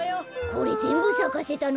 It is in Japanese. これぜんぶさかせたの？